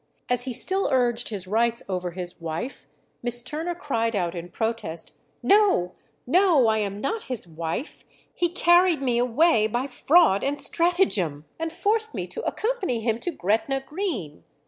As he still urged his rights over his wife, Miss Turner cried out in protest, "No, no, I am not his wife; he carried me away by fraud and stratagem, and forced me to accompany him to Gretna Green....